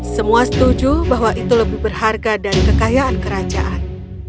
semua setuju bahwa itu lebih berharga dari kekayaan kerajaan